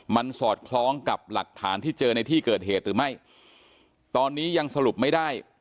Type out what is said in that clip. มันสอดคล้องกับหลักฐานที่เจอในที่เกิดเหตุหรือไม่ตอนนี้ยังสรุปไม่ได้